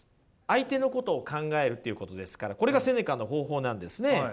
相手のことを考えるっていうことですからこれがセネカの方法なんですね。